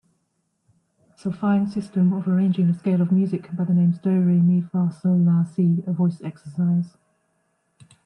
Solfaing system of arranging the scale of music by the names do, re, mi, fa, sol, la, si a voice exercise